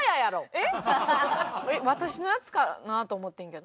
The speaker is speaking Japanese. えっ私のやつかなと思ってんけど。